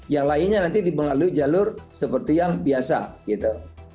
yang lainnya nanti di melalui jalur seperti yang biasa gitu